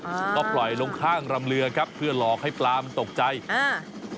ใช่ก็ปล่อยลงข้างรำเรือครับเพื่อหลอกให้ปลามันตกใจอ่า